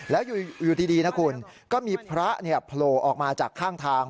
แล้วอยู่ดีนะคุณก็มีพระโผล่ออกมาจากข้างทาง